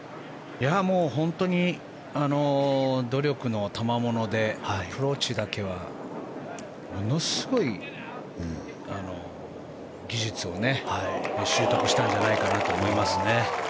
本当に努力のたまものでアプローチだけはものすごい技術を習得したんじゃないかなと思います。